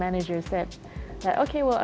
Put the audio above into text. manajernya mengatakan bahwa